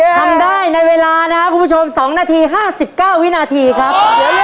ทำได้ในเวลานะครับคุณผู้ชม๒นาที๕๙วินาทีครับ